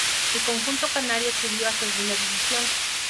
El conjunto canario subió a Segunda División.